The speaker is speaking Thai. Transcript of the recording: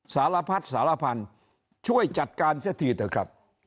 สารพัดสารพันธุ์ช่วยจัดการเสียทีเถอะครับ